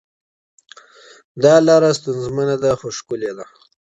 دا لاره ستونزمنه ده خو ښکلې ده.